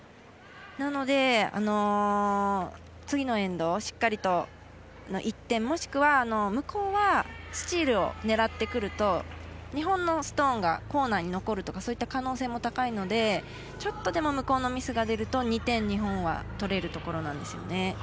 なので、次のエンドしっかりと１点、もしくは向こうはスチールを狙ってくると日本のストーンがコーナーに残るという可能性も高いのでちょっとでも向こうのミスが出ると２点、日本は取れるところなんですよね。